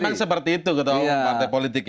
memang seperti itu ketua umum partai politik ya